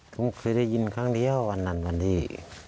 ผมเคยได้ยินครั้งเดียววันนั้นวันนี้